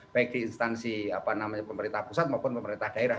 baik di instansi pemerintah pusat maupun pemerintah daerah